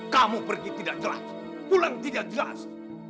kamu pergi tidak jelas pulang tidak jelas